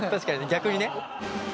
逆にね。